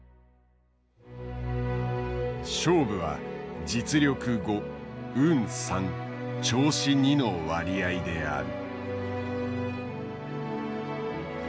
「勝負は実力５運３調子２の割合である」。